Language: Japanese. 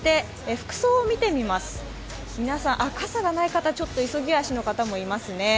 服装を見てみます、傘がない方、ちょっと急ぎ足の方もいますね。